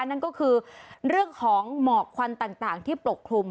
นั่นก็คือเรื่องของหมอกควันต่างที่ปกคลุม